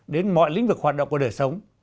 đến mọi lĩnh vực hoạt động của đời sống